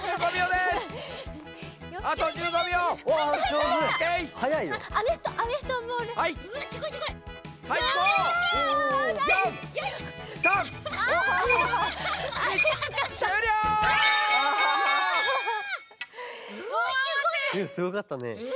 でもすごかったね。